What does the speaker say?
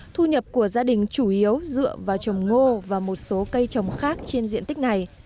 thu nhập của gia đình chủ yếu dựa vào trồng ngô và một số cây trồng khác trên diện tích này